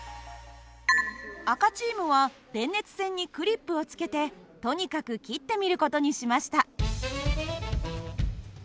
赤チームは電熱線にクリップをつけてとにかく切ってみる事にしました。